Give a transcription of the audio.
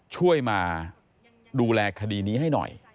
ช่วยมาดูแลคดีนี้ให้หน่อย